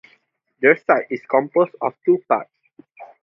This site is composed of two parts.